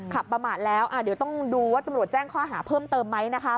ประมาทแล้วเดี๋ยวต้องดูว่าตำรวจแจ้งข้อหาเพิ่มเติมไหมนะคะ